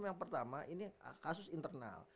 yang pertama ini kasus internal